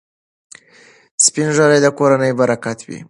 سپین ږیري د کورنۍ برکت وي.